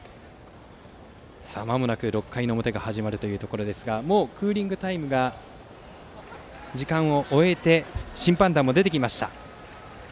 まもなく６回の表が始まるところですがもうクーリングタイムの時間が終わって審判団も出てきました。